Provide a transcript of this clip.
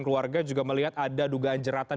keluarga juga melihat ada dugaan jeratan